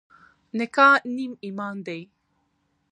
نکاح نیم ایمان دی.